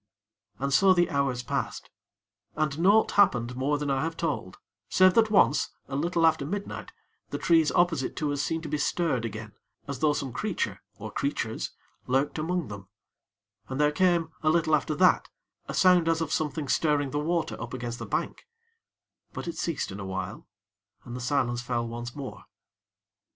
And so the hours passed, and naught happened more than I have told, save that once, a little after midnight, the trees opposite to us seemed to be stirred again, as though some creature, or creatures, lurked among them; and there came, a little after that, a sound as of something stirring the water up against the bank; but it ceased in a while and the silence fell once more.